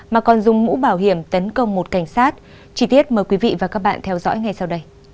mà còn dùng mũ bảo hiểm tấn công một cảnh sát chi tiết mời quý vị và các bạn theo dõi ngay sau đây